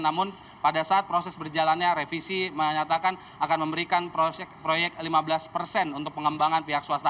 namun pada saat proses berjalannya revisi menyatakan akan memberikan proyek lima belas persen untuk pengembangan pihak swasta